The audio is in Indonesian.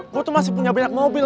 aku tuh masih punya banyak mobil